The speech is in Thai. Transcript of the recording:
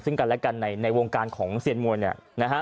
ซึ่งกันและกันในวงการของเซียนมวย